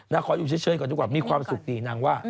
ขออยู่เฉยก่อนดีกว่ามีความสุขดีนางว่า